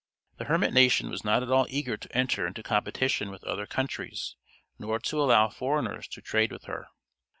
The hermit nation was not at all eager to enter into competition with other countries, nor to allow foreigners to trade with her.